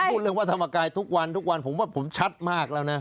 พูดเรื่องวัฒนธรรมกายทุกวันทุกวันผมว่าผมชัดมากแล้วนะ